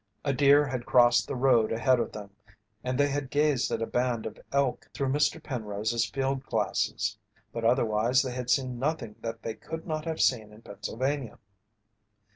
A deer had crossed the road ahead of them and they had gazed at a band of elk through Mr. Penrose's field glasses, but otherwise they had seen nothing that they could not have seen in Pennsylvania.